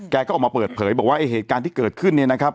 ก็ออกมาเปิดเผยบอกว่าไอ้เหตุการณ์ที่เกิดขึ้นเนี่ยนะครับ